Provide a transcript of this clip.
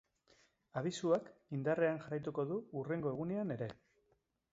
Abisuak indarrean jarraituko du hurrengo egunean ere.